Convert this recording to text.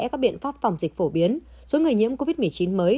các biện pháp phòng dịch phổ biến số người nhiễm covid một mươi chín mới